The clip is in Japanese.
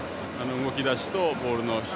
動き出しと、ボールの質。